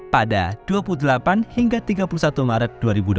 pada dua puluh delapan hingga tiga puluh satu maret dua ribu dua puluh